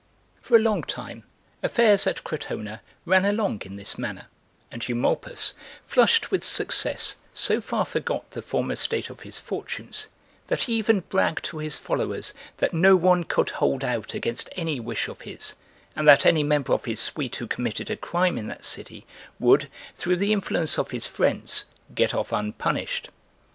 For a long time affairs at Crotona ran along in this manner and Eumolpus, flushed with success so far forgot the former state of his fortunes that he even bragged to his followers that no one could hold out against any wish of his, and that any member of his suite who committed a crime in that city would, through the influence of his friends, get off unpunished.